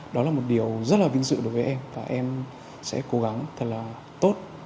đó là một điều rất là vinh dự đối với em và em sẽ cố gắng thật là tốt